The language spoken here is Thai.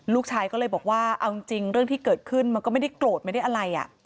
ลูกชายก็เลยบอกว่าเอาจริงเรื่องที่เกิดขึ้นมันก็ไม่ได้โกรธไม่ได้อะไร